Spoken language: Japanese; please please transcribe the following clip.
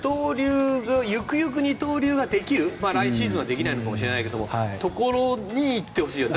行く行く二刀流ができる来シーズンはできないのかもしれないけどそういうところに行ってほしいよね。